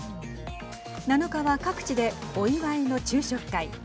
７日は各地でお祝いの昼食会。